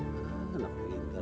nah enak banget